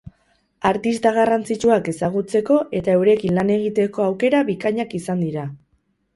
Artista garrantzitsuak ezgautzeko eta eurekin lan egiteko aukera bikainak izan dira.